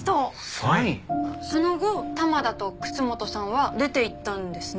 その後玉田と楠本さんは出ていったんですね？